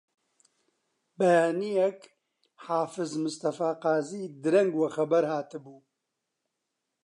بەیانییەک حافز مستەفا قازی درەنگ وە خەبەر هاتبوو